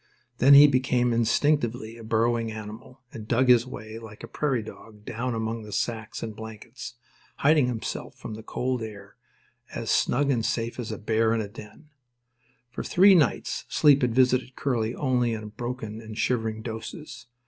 Then he became instinctively a burrowing animal, and dug his way like a prairie dog down among the sacks and blankets, hiding himself from the cold air as snug and safe as a bear in his den. For three nights sleep had visited Curly only in broken and shivering doses.